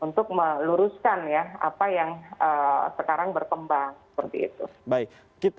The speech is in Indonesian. untuk meluruskan ya apa yang sekarang berkembang seperti itu